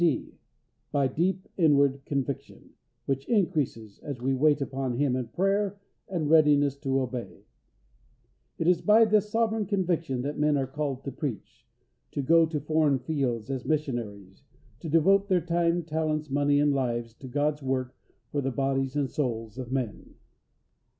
(d) By deep inward conviction, which increases as we wait upon Him in prayer and readiness to obey. It is by this sovereign conviction that men are called to preach, to go to foreign fields as missionaries, to devote their time, talents, money, and lives to God's work for the bodies and souls of men.